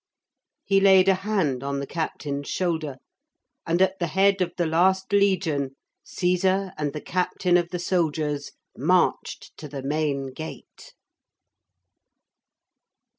He laid a hand on the captain's shoulder, and at the head of the last legion, Caesar and the captain of the soldiers marched to the main gate.